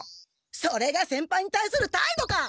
それが先輩に対するたいどか！